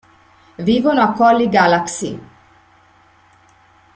Vivono a Colli Galaxy.